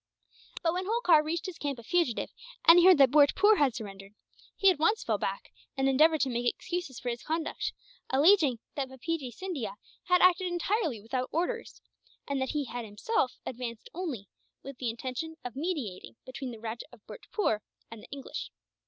But when Holkar reached his camp a fugitive, and he heard that Bhurtpoor had surrendered, he at once fell back; and endeavoured to make excuses for his conduct, alleging that Bapeejee Scindia has acted entirely without orders, and that he had himself advanced only with the intention of mediating between the Rajah of Bhurtpoor and the English.